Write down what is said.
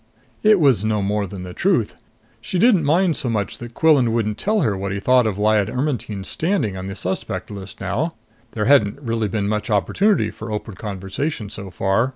It was no more than the truth. She didn't mind so much that Quillan wouldn't tell her what he thought of Lyad Ermetyne's standing on the suspect list now there hadn't really been much opportunity for open conversation so far.